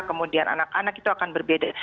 kemudian anak anak itu akan berbeda